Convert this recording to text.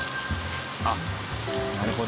あっなるほど。